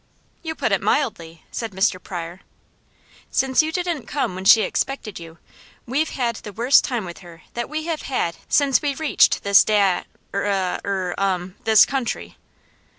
"You put it mildly," said Mr. Pryor. "Since you didn't come when she expected you, we've had the worst time with her that we have had since we reached this da ah er um this country."